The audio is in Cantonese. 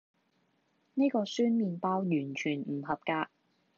呢個酸麵包完全唔合格